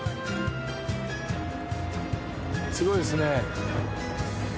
すごいですね。